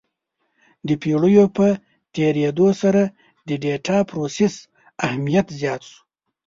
د پېړیو په تېرېدو سره د ډیټا پروسس اهمیت زیات شو.